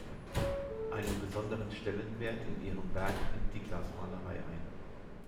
Einen besonderen Stellenwert in ihrem Werk nimmt die Glasmalerei ein.